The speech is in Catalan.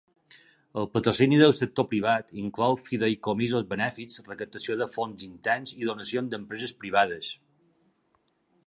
El patrocini del sector privat inclou fideïcomisos benèfics, recaptació de fons interns i donacions d'empreses privades.